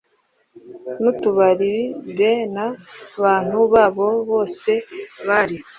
na tubali b n abantu babo bose bari